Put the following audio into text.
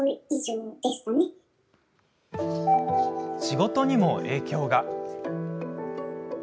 仕事にも影響が。